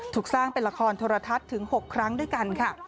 ถูกสร้างเป็นละครโทรทัศน์ถึง๖ครั้งด้วยกันค่ะ